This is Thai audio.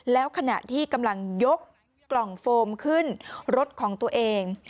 แล้วขณะที่กำลังยกกล่องโฟมขึ้นรถของตัวเอง